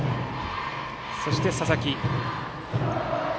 そして、佐々木。